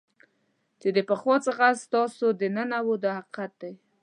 چې د پخوا څخه ستاسو دننه وو دا حقیقت دی.